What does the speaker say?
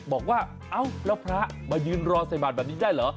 บอกว่าเอ้าแล้วพระมายืนรอใส่บาทแบบนี้ได้เหรอ